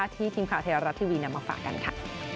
ที่ทีมขาวกีฬาไทยรัตทีวีนำมาฝากันค่ะ